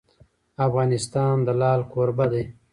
افغانستان د لعل کوربه دی.